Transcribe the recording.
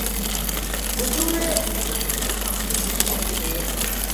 އުޖޫރައެއް ލިބިގަތުމުގެ ޙައްޤު ލިބިގެން ވޭ